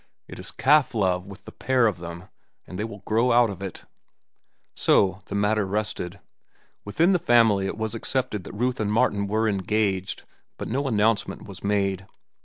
It is calf love with the pair of them, and they will grow out of it." So the matter rested. Within the family it was accepted that Ruth and Martin were engaged, but no announcement was made.